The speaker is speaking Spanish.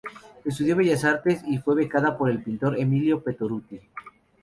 Estudió Bellas Artes y fue becada por el pintor Emilio Pettoruti.